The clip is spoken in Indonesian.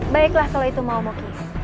baiklah kalau itu maomoki